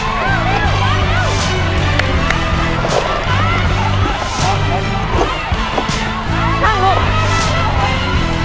ครับเอออ่าใช่เก็บถุงแล้วถูกไม่วางเร็วเร็ว